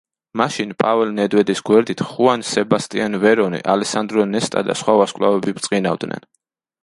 მაშინ პაველ ნედვედის გვერდით ხუან სებასტიან ვერონი, ალესანდრო ნესტა და სხვა ვარსკვლავები ბრწყინავდნენ.